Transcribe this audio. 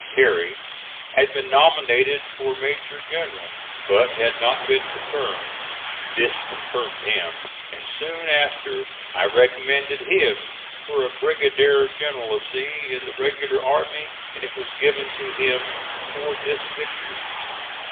Terry had been nominated for major general, but had not been confirmed. This confirmed him; and soon after I recommended him for a brigadier generalcy in the regular army, and it was given to him for this victory.